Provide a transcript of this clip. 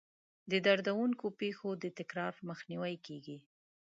د دردونکو پېښو د تکرار مخنیوی کیږي.